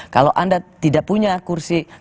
kalau anda tidak punya kursi